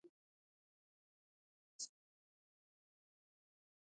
زمرد د افغانستان د سیلګرۍ برخه ده.